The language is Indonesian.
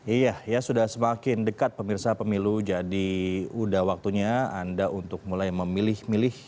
iya ya sudah semakin dekat pemirsa pemilu jadi udah waktunya anda untuk mulai memilih milih